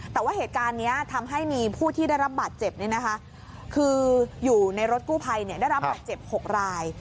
แต่ว่าเหตุการณ์นี้ทำให้มีผู้ที่ได้รับบาดเจ็บคืออยู่ในรถกู้ภัยได้รับบาดเจ็บ๖ราย